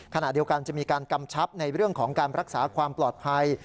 ขณะเดียวกันจะมีการกำชับในเรื่องของการรักษาความปลอดภัย